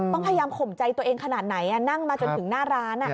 ต้องพยายามข่มใจตัวเองขนาดไหนนั่งมาจนถึงหน้าร้าน